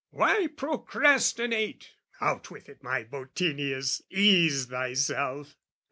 "Why procrastinate?" (Out with it my Bottinius, ease thyself!)